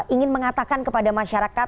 ingin mengatakan kepada masyarakat